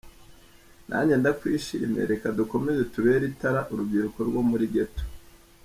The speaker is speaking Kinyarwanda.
Nanjye ndakwishimiye, reka dukomeze tubere itara urubyiruko rwo muri Ghetto.